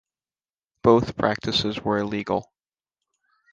Both practices were illegal.